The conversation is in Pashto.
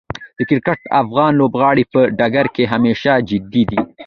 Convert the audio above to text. د کرکټ افغان لوبغاړي په ډګر کې همیشه جدي دي.